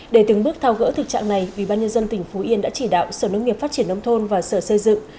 để từng bước thao gỡ thực trạng này ubnd tỉnh phú yên đã chỉ đạo sở nông nghiệp phát triển nông thôn và sở xây dựng